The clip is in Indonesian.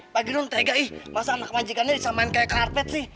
pak girun tega ih masa anak majikannya bisa main kaya karpet sih